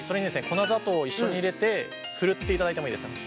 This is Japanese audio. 粉砂糖を一緒に入れてふるっていただいてもいいですかね。